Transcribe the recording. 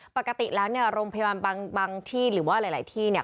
ปกติแล้วเนี่ยโรงพยาบาลบางที่หรือว่าหลายที่เนี่ย